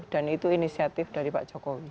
dan itu inisiatif dari pak jokowi